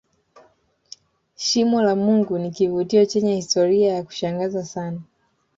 shimo la mungu ni kivutio chenye historia ya kushangaza sana